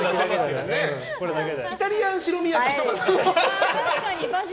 イタリアン白身焼きとか。